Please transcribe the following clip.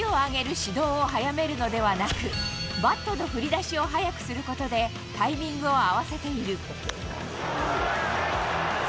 足を上げる始動を早めるのではなく、バットの振り出しを速くすることで、タイミングを合わせている。